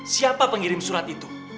siapa pengirim surat itu